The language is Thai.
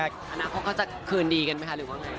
อนาคตเขาจะคืนดีกันไหมคะหรือว่าไง